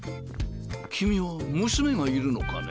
君は娘がいるのかね？